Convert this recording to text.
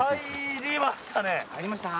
入りましたね。